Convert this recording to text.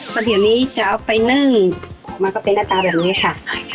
เพราะเดี๋ยวนี้จะเอาไปนึ่งออกมาก็เป็นหน้าตาแบบนี้ค่ะ